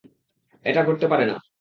এটা ঘটতে পারে না।